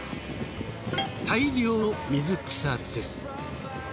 大量の水草です。